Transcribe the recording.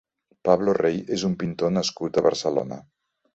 Pablo Rey és un pintor nascut a Barcelona.